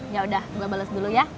yaudah gue bales dulu ya